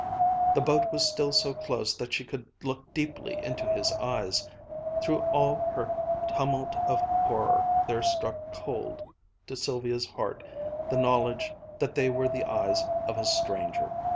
The boat was still so close that she could look deeply into his eyes. Through all her tumult of horror, there struck cold to Sylvia's heart the knowledge that they were the eyes of a stranger.